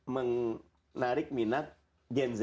menarik minat gen z